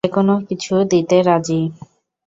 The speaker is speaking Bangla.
যেকোনো কিছু দিতে রাজি!